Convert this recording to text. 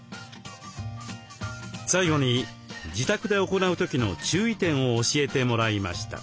最後に自宅で行う時の注意点を教えてもらいました。